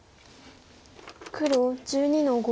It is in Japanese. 黒１２の五。